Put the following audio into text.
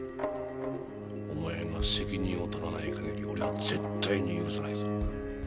お前が責任を取らない限り俺は絶対に許さないぞ。